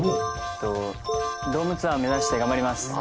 ドームツアー目指して頑張ります。